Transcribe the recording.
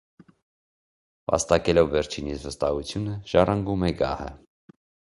Վաստակելով վերջինիս վստահությունը ժառանգում է գահը։